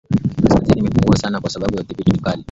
Kaskazini imepungua sana kwa sababu ya udhibiti mkali wa